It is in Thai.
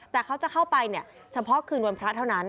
แต่เขาจะเข้าไปเนี่ยเฉพาะคืนวันพระเท่านั้น